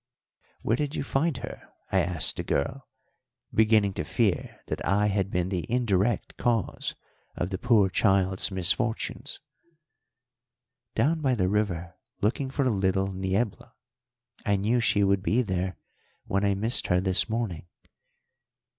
"Where did you find her?" I asked the girl, beginning to fear that I had been the indirect cause of the poor child's misfortunes. "Down by the river looking for little Niebla. I knew she would be there when I missed her this morning."